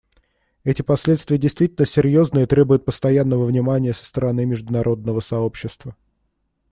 Эти последствия действительно серьезны и требуют постоянного внимания со стороны международного сообщества.